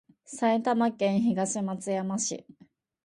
埼玉県東松山市